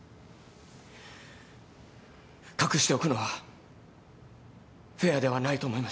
隠しておくのはフェアではないと思いました。